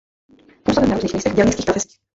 Působil na různých místech v dělnických profesích.